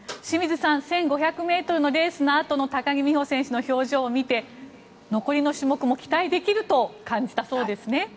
清水さん１５００ｍのレースのあとの高木美帆選手の表情を見て残りの種目も期待できると感じたそうですね。